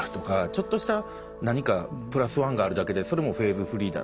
ちょっとした何かプラスワンがあるだけでそれもフェーズフリーだ。